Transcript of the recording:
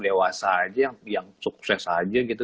dewasa aja yang sukses aja gitu